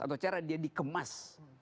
atau cara dia dikemas